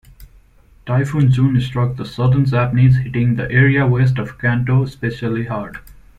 Typhoon June struck the Southern Japanese hitting the area west of Kanto especially hard.